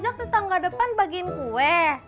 udah ajak tetangga depan bagiin kue